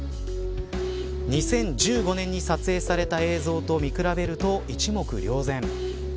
２０１５年に撮影された映像と見比べると一目瞭然。